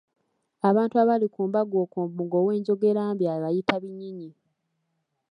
Abantu abaali ku mbaga okwo mbu ng'owenjogera mbi abayita binyinyi.